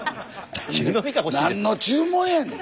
何の注文やねん。